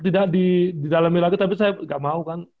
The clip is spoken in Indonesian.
tidak didalamin lagi tapi saya gak mau kan